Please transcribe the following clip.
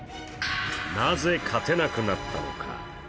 なぜ勝てなくなったのか。